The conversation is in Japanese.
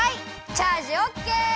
チャージオッケー！